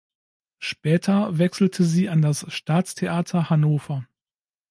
Später wechselte sie an das Staatstheater Hannover.